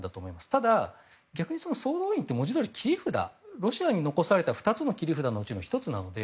ただ、逆に総動員って文字どおり切り札、ロシアに残された２つの切り札のうちの１つなので。